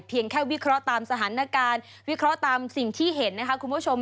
แค่วิเคราะห์ตามสถานการณ์วิเคราะห์ตามสิ่งที่เห็นนะคะคุณผู้ชม